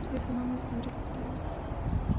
جو صبح مزدوری کرتا ہے